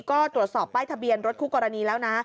ก็ตรวจสอบป้ายทะเบียนรถคู่กรณีแล้วนะ